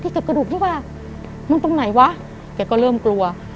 เก็บกระดูกที่ว่ามันตรงไหนวะแกก็เริ่มกลัว